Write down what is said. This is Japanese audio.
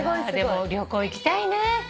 でも旅行行きたいね。